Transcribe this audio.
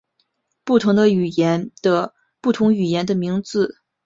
不同语言的名字解析算法的复杂度不同。